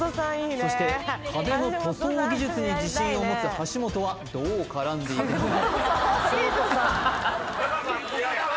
そして壁の塗装技術に自信を持つ橋本はどう絡んでいくのか？